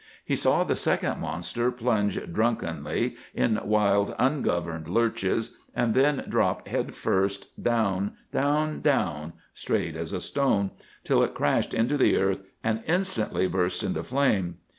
He saw the second monster plunge drunkenly, in wild, ungoverned lurches, and then drop head first, down, down, down, straight as a stone, till it crashed into the earth and instantly burst into flame.